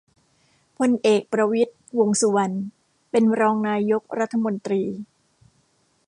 พลเอก ประวิตร วงษ์สุวรรณ เป็นรองนายกรัฐมนตรี